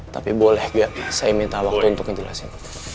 tapi boleh gak saya minta waktu untuk ngejelasin